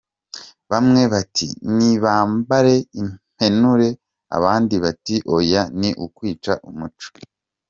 Bamwe bati nibambare impenure abandi bati oya ni ukwica umuco.